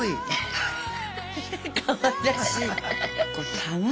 かわいらしい。